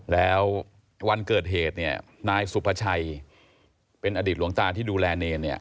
แล้ววันเกิดเหตุนายสุภาชัยเป็นอดีตหลวงตาที่ดูแลเนร